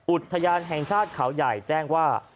อุทยานแห่งชาติเขาใหญ่แจ้งว่า